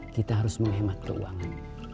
kita harus menghemat keuangan